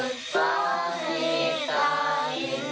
สวัสดีครับ